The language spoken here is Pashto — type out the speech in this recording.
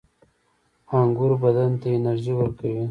• انګور بدن ته انرژي ورکوي.